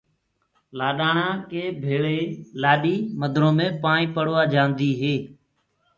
لآڏآݪا ڪي ڀيݪي لآڏي مندرو مي پائينٚ پڙوآ جآندي هي۔